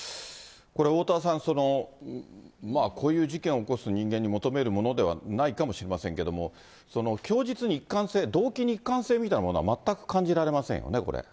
これ、おおたわさん、まあ、こういう事件を起こす人間に求めるものではないかもしれませんけれども、供述に一貫性、動機に一貫性みたいなものは全く感じられませんよね。